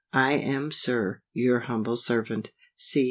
I am Sir, Your humble servant, C.